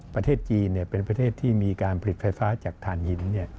ประเทศจีนเป็นประเทศที่มีการผลิตไฟฟ้าจากฐานหิน